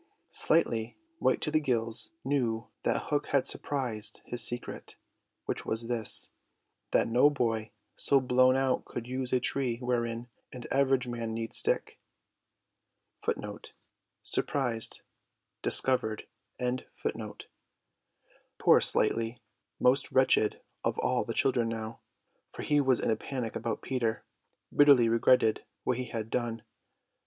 Slightly, white to the gills, knew that Hook had surprised his secret, which was this, that no boy so blown out could use a tree wherein an average man need stick. Poor Slightly, most wretched of all the children now, for he was in a panic about Peter, bitterly regretted what he had done.